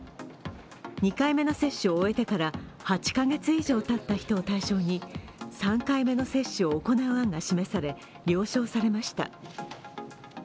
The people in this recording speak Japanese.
２回目の接種を終えてから８カ月以上たった人を対象に３回目の接種を行う案が示され、了承されました。